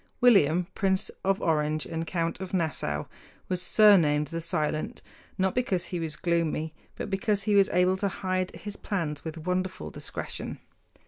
William, Prince of Orange and Count of Nassau, was surnamed "The Silent" not because he was gloomy, but because he was able to hide his plans with wonderful discretion.